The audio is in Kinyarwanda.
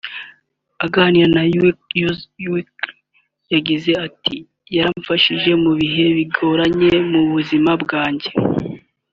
Aganira na UsWeekly yagize ati “Yaramfashije mu bihe bigoranye mu buzima bwanjye